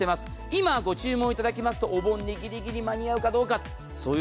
今ご注文いただきますとお盆にぎりぎり間に合うかどうか。